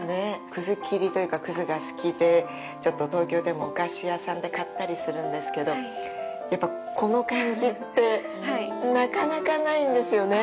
葛きりというか、葛が好きで、ちょっと東京でもお菓子屋さんで買ったりするんですけど、やっぱりこの感じってなかなかないんですよね。